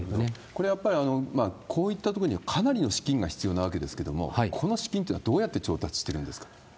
これやっぱり、こういったところにはかなりの資金が必要なわけですけれども、この資金ってのは、どうやって調達してるんですか？